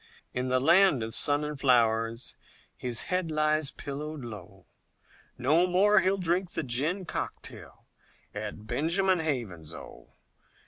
In the land of sun and flowers, His head lies pillowed low, No more he'll drink the gin cocktail, At Benjamin Haven's, Oh!